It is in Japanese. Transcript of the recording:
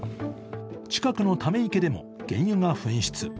近くのため池でも原油が噴出。